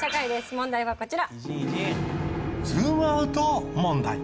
問題はこちら。